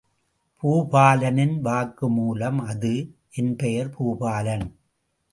பூபாலனின் வாக்குமூலம் அது ... என் பெயர் பூபாலன்.